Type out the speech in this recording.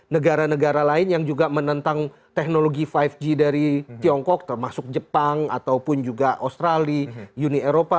negara negara lain yang juga menentang teknologi lima g dari tiongkok termasuk jepang ataupun juga australia uni eropa